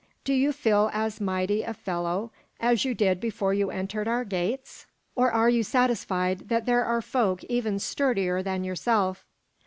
Do you feel as mighty a fellow as you did before you entered our gates, or are you satisfied that there are folk even sturdier than yourself?"